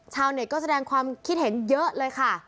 ชาวเน็ตก็แสดงความคิดเห็นเยอะเลยค่ะ